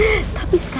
ada di luar